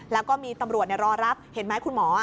แล้วก็มีตำรวจรอรับเห็นไหมคุณหมอ